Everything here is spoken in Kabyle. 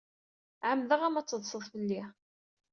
Ɛemmdeɣ-am ad teḍsed fell-i.